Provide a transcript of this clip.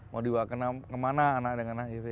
mau dibawa kemana anak dengan hiv